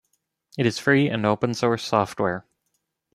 It is free and open-source software.